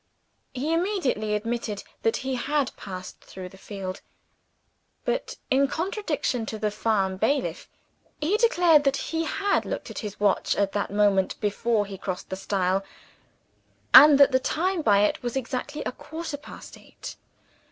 He immediately admitted that he had passed through the field. But in contradiction to the farm bailiff, he declared that he had looked at his watch at the moment before he crossed the stile, and that the time by it was exactly a quarter past eight.